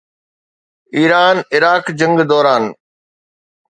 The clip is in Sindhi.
ايران-عراق جنگ دوران